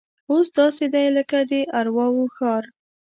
اوس داسې دی لکه د ارواو ښار.